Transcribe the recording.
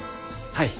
はい。